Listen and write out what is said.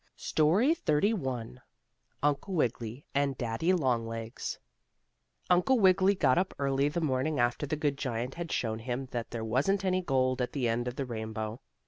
STORY XXXI UNCLE WIGGILY AND DADDY LONGLEGS Uncle Wiggily got up early the morning after the good giant had shown him that there wasn't any gold at the end of the rainbow.